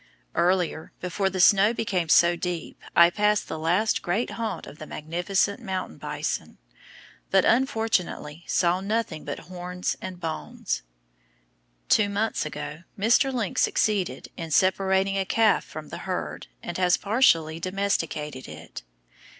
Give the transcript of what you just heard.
Earlier, before the snow became so deep, I passed the last great haunt of the magnificent mountain bison, but, unfortunately, saw nothing but horns and bones. Two months ago Mr. Link succeeded in separating a calf from the herd, and has partially domesticated it.